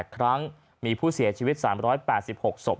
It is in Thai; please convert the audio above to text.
ครั้งมีผู้เสียชีวิต๓๘๖ศพ